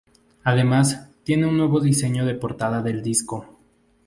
Además, tiene nuevo diseño de portada del disco.